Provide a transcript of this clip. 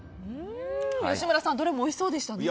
吉村さんどれもおいしそうでしたね。